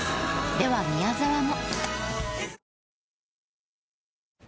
では宮沢も。